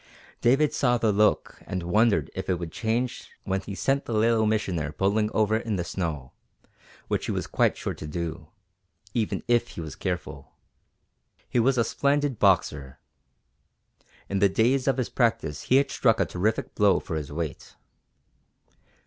David saw the look and wondered if it would change when he sent the Little Missioner bowling over in the snow, which he was quite sure to do, even if he was careful. He was a splendid boxer. In the days of his practice he had struck a terrific blow for his weight.